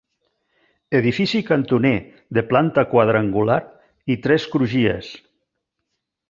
Edifici cantoner de planta quadrangular i tres crugies.